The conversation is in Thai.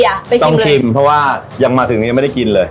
ต้องชิมเพราะว่ายังมาถึงยังไม่ได้กินเลย